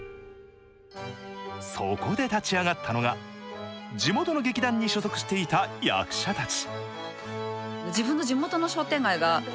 そこで立ち上がったのが、地元の劇団に所属していた役者たち。